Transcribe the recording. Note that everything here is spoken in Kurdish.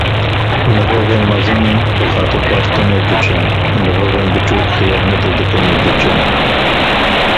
Mirovên mezin bi xatirxwestinê diçin, mirovên biçûk xayintiyê dikin û diçin.